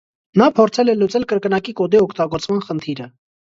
Նա փորձել է լուծել կրկնակի կոդի օգտագործման խնդիրը։